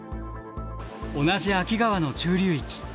同じ秋川の中流域。